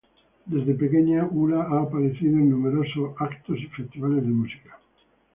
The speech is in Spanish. Desde pequeña Ula ha aparecido en numerosos eventos y festivales de música.